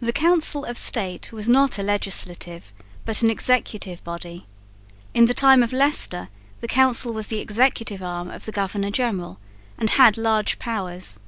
The Council of State was not a legislative, but an executive, body. In the time of Leicester the Council was the executive arm of the governor general and had large powers.